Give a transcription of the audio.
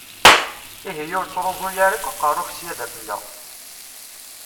Ihi ur ttṛuẓu ara akk aqeṛṛu-k sya d afella!